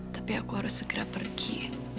tapi aku harus segera pergi